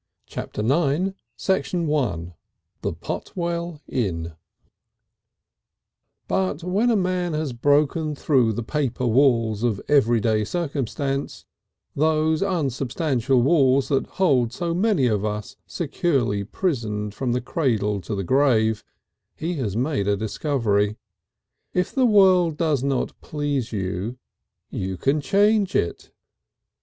Chapter the Ninth The Potwell Inn I But when a man has once broken through the paper walls of everyday circumstance, those unsubstantial walls that hold so many of us securely prisoned from the cradle to the grave, he has made a discovery. If the world does not please you you can change it.